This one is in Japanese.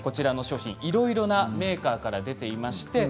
いろいろなメーカーから出ています。